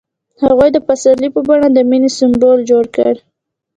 هغه د پسرلی په بڼه د مینې سمبول جوړ کړ.